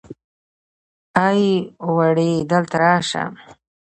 ای وړې دلته راشه.